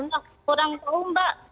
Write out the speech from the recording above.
kurang tahu mbak